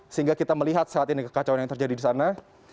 sehingga kita melihat saat ini kekacauan yang terjadi di sana